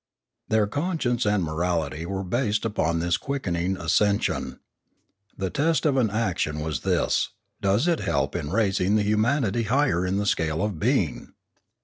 Their conscience and morality were based upon this quickening ascension. The test of an action was this: does it help in raising the humanity higher in the scale of being